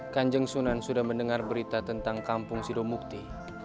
kanjeng sunan sudah mendengar berita tentang kampung sidomukti